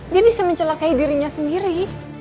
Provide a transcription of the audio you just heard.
dia bisa mencelakai dirinya sendiri